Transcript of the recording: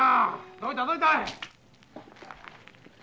どいたどいた！